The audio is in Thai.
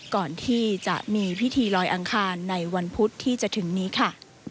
ก่อนที่จะมีพิธีลอยอังคารในวันพุธที่จะถึงนี้ค่ะ